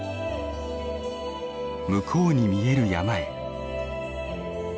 向こうに見える山へ。